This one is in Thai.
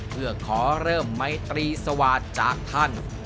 เพื่อขอเริ่มไมตรีสวาสตร์จากท่าน